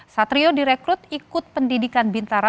satrio direkrut ikut pendidikan bintara